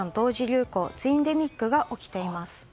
流行ツインデミックが起きています。